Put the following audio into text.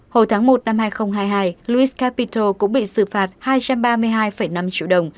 hồi tháng một năm hai nghìn hai mươi hai luis capital cũng bị xử phạt hai trăm ba mươi hai năm triệu đồng